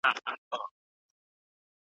کومه موضوع د عملی ټولنپوهني ترمنځ مهمه ده؟